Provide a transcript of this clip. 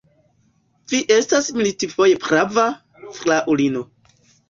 Vi estas milfoje prava, fraŭlino.